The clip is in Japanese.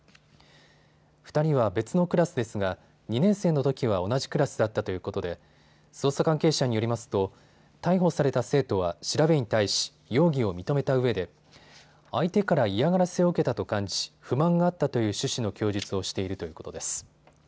２人は別のクラスですが２年生のときは同じクラスだったということで捜査関係者によりますと逮捕された生徒は調べに対し容疑を認めたうえで相手から嫌がらせを受けたと感じ、不満があったという趣旨の供述をしているということです。